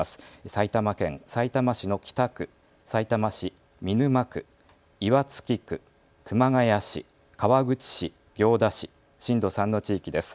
埼玉県さいたま市の北区、さいたま市見沼区、岩槻区、熊谷市、川口市、行田市、震度３の地域です。